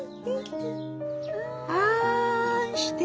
あんして。